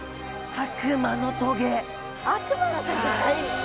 悪魔の棘！？